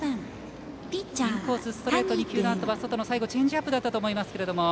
インコースへストレート２球のあとは外のチェンジアップだったと思いますけれども。